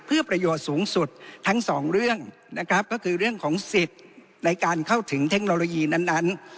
เพื่อประโยชน์สูงสุดทั้งสองเรื่องนะครับก็คือเรื่องของสิทธิ์ในการเข้าถึงเทคโนโลยีนั้น